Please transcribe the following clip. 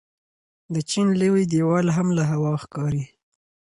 د چین لوی دیوال هم له هوا ښکاري.